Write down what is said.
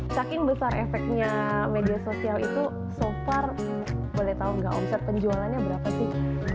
saking besar efeknya media sosial itu so farm boleh tahu nggak omset penjualannya berapa sih